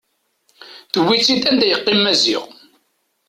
Tewwi-tt-id anda yeqqim Maziɣ.